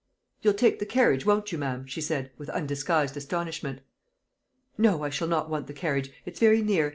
"You'll take the carriage, won't you, ma'am?" she said, with undisguised astonishment. "No, I shall not want the carriage; it's very near.